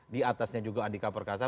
di atasnya juga andika perkasa